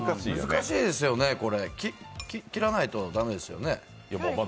難しいですよね、切らないと駄目ですよね。